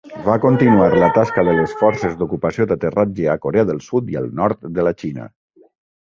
Va continuar la tasca de les forces d'ocupació d'aterratge a Corea del Sud i el nord de la Xina.